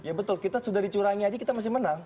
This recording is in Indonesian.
ya betul kita sudah dicurangi aja kita masih menang